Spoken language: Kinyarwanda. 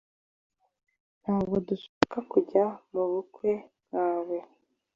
Ntabwo dushaka kujya mubukwe bwawe.